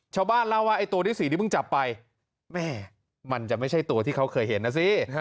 ชาวบ้านเล่าว่าไอ้ตัวที่สี่ที่เพิ่งจับไปแม่มันจะไม่ใช่ตัวที่เขาเคยเห็นนะสิ